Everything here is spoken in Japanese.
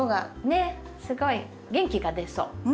ねっすごい元気が出そう。